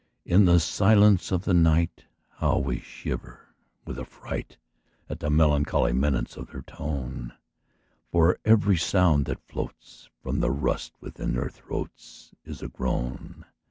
In the silence of the night, How we shiver with affright At the melancholy menace of their tone: For every sound that floats From the rust within their throats Is a groan.